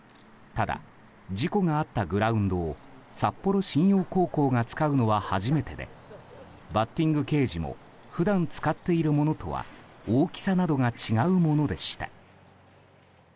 ただ、事故があったグラウンドを札幌新陽高校が使うのは初めてでバッティングケージも普段使っているものとは大きさなどが違うものでした。